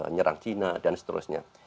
nyerang cina dan seterusnya